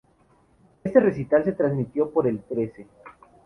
Este recital se transmitió por el El Trece.